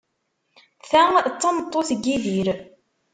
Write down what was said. Ta d tameṭṭut n Yidir.